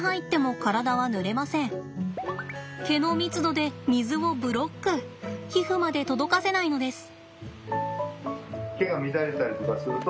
毛の密度で水をブロック皮膚まで届かせないのです。